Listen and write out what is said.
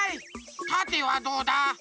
たてはどうだ？